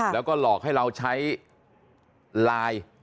แล้วก็หลอกให้เราใช้ไลน์